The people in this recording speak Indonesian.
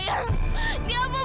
nampak dia pun mulia